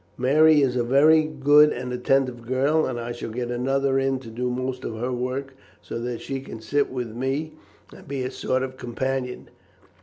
Mary is a very good and attentive girl, and I shall get another in to do most of her work, so that she can sit with me and be a sort of companion.